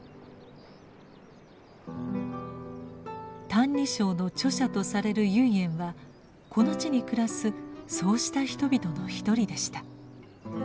「歎異抄」の著者とされる唯円はこの地に暮らすそうした人々の一人でした。